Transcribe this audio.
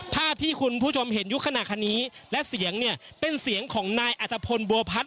ภาพที่คุณผู้ชมเห็นอยู่ขณะนี้และเสียงเนี่ยเป็นเสียงของนายอัตภพลบัวพัฒน